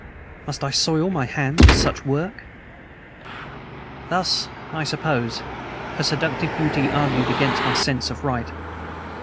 Must I soil my hands with such work? Thus I suppose her seductive beauty argued against my sense of right.